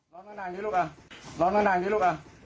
ร้อนดังนี่ลูกอ่ะร้อนดังนี่ลูกอ่ะ